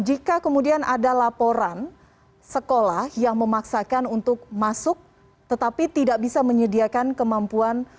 jika kemudian ada laporan sekolah yang memaksakan untuk masuk tetapi tidak bisa menyediakan kemampuan